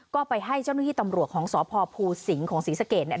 ก็ไปให้เจ้าหน้าที่ตำรวจของสพภูสิงศ์ของศรีสะเกดเนี่ย